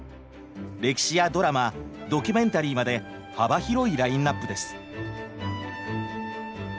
歴史やドラマドキュメンタリーまで幅広いラインナップです。